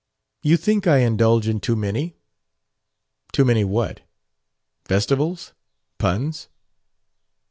"You think I indulge in too many?" "Too many what? Festivals? Puns?"